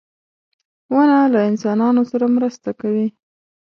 • ونه له انسانانو سره مرسته کوي.